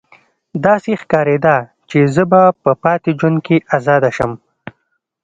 داسې ښکاریده چې زه به په پاتې ژوند کې ازاده شم